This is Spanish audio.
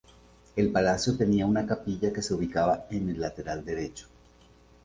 El palacio tenía una capilla que se ubicaba en el lateral derecho.